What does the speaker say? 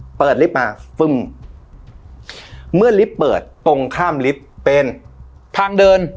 เปิดลิฟต์มาฟึ้มเมื่อลิฟต์เปิดตรงข้ามลิฟต์เป็นทางเดิน